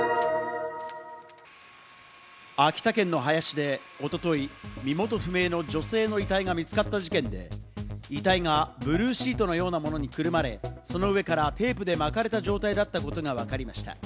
秋田県の林で一昨日、身元不明の女性の遺体が見つかった事件で、遺体がブルーシートのようなものにくるまれ、その上からテープで巻かれた状態だったことがわかりました。